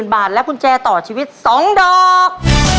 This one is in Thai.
๑๐๐๐บาทและขุนแจต่อชีวิตสองดอก